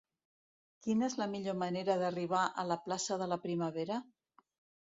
Quina és la millor manera d'arribar a la plaça de la Primavera?